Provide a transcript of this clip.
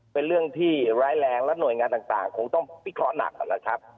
เป็นเรื่องที่ร้ายแรงและหน่วยงานต่างคงต้องวิเคราะห์หนักนะครับ